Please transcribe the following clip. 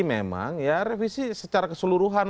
memang ya revisi secara keseluruhan